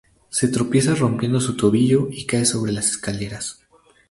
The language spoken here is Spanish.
Se tropieza, rompiendo su tobillo y cae sobre las escaleras.